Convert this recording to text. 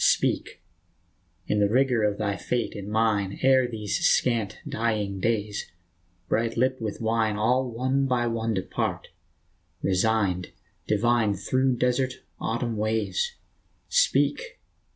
Speak ! in the rigor of thy fate and mine, Ere these scant, dying days, bright lipped with wine, All one by one depart, resigned, divine, Through desert, autumn ways. Speak